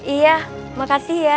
iya makasih ya